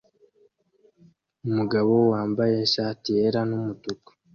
Umugabo wambaye ishati yera numutuku